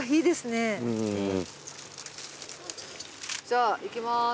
じゃあいきます。